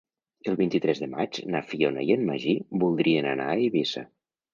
El vint-i-tres de maig na Fiona i en Magí voldrien anar a Eivissa.